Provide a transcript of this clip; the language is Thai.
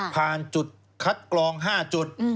ผ่านจุดคัดกรอง๕จุด